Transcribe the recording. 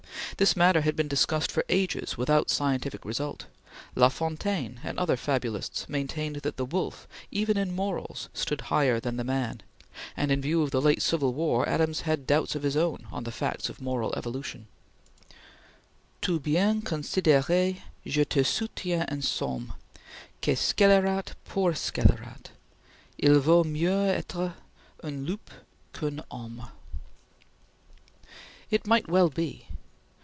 This matter had been discussed for ages without scientific result. La Fontaine and other fabulists maintained that the wolf, even in morals, stood higher than man; and in view of the late civil war, Adams had doubts of his own on the facts of moral evolution: "Tout bien considere, je te soutiens en somme, Que scelerat pour scelerat, Il vaut mieux etre un loup qu'un homme." It might well be!